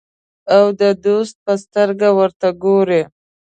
او د دوست په سترګه ورته ګوري.